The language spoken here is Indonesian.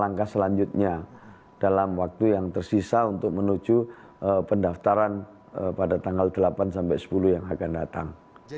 langkah selanjutnya dalam waktu yang tersisa untuk menuju pendaftaran pada tanggal delapan sampai sepuluh yang akan datang